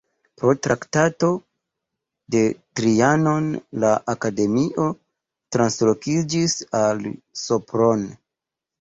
Pro Traktato de Trianon la akademio translokiĝis al Sopron.